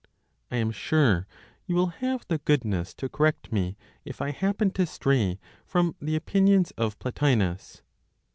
I am sure you will have the goodness to correct me, if I happen to stray from the opinions of Plotinos.